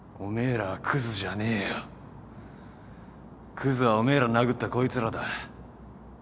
クズはおめえら殴ったこいつらだ。